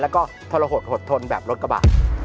แล้วก็ทรหดหดทนแบบรถกระบะ